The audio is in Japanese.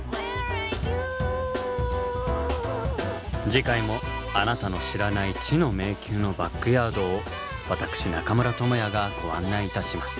次回もあなたの知らない「知の迷宮」のバックヤードを私中村倫也がご案内いたします。